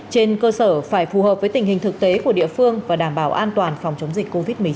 trên cơ sở phải phù hợp với tình hình thực tế của địa phương và đảm bảo an toàn phòng chống dịch covid một mươi chín